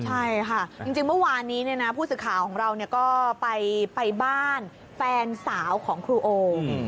ใช่ค่ะจริงเมื่อวานนี้ผู้สื่อข่าวของเราก็ไปบ้านแฟนสาวของครูโอ